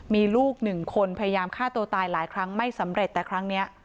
มีลูกหนึ่งคนพยายามฆ่าตัวตายหลายครั้งไม่สำเร็จแต่ครั้งนี้